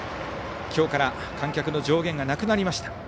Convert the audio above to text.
今日から観客の上限がなくなりました。